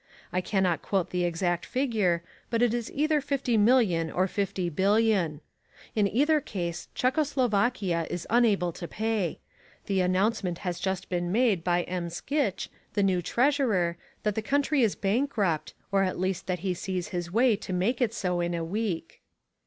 I cannot quote the exact figure, but it is either fifty million or fifty billion. In either case Czecho Slovakia is unable to pay. The announcement has just been made by M. Sgitzch, the new treasurer, that the country is bankrupt or at least that he sees his way to make it so in a week.